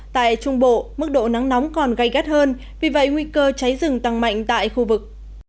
tại trung bộ mức độ nắng nóng còn gây gắt hơn vì vậy nguy cơ cháy rừng tăng mạnh tại khu vực